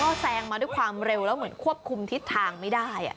ก็แซงมาด้วยความเร็วแล้วเหมือนควบคุมทิศทางไม่ได้